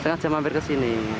sengaja mampir ke sini